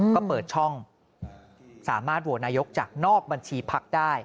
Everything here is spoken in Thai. ก็เปิดช่องสามารถโหวตนายกจากนอกบัญชีพักได้